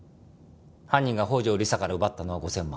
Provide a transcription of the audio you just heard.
犯人が宝城理沙から奪ったのは５０００万。